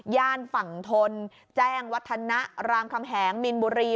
ฝั่งทนแจ้งวัฒนะรามคำแหงมีนบุรี